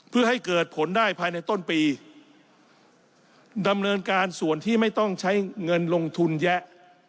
เพื่อให้เกิดผลได้ภายในต้นปีดำเนินการส่วนที่ไม่ต้องใช้เงินลงทุนแยะ